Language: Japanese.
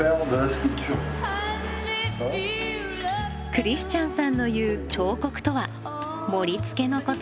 クリスチャンさんのいう「彫刻」とは盛りつけのこと。